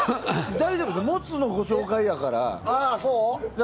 大丈夫ですモツのご紹介やから。